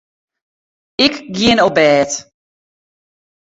Ik gean op bêd.